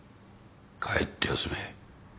帰って休め。